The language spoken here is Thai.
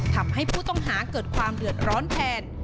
ทำให้ผู้ต้องหาเกิดความเดือดร้อนแทน